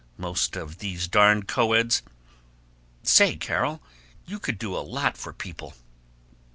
Most of these darn co eds Say, Carol, you could do a lot for people."